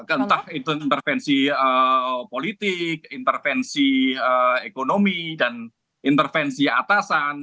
entah itu intervensi politik intervensi ekonomi dan intervensi atasan